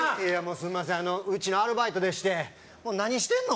すんませんうちのアルバイトでして何してんの？